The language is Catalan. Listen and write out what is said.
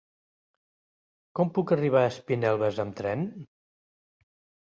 Com puc arribar a Espinelves amb tren?